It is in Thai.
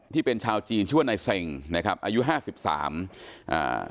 ที่เป็นชาวจีนชื่อว่านายเซ็งนะครับอายุห้าสิบสามอ่า